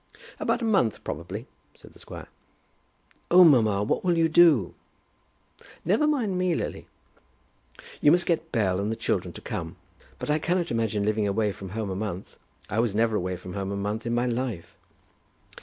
"About a month, probably," said the squire. "Oh, mamma; what will you do?" "Never mind me, Lily." "You must get Bell and the children to come. But I cannot imagine living away from home a month. I was never away from home a month in my life."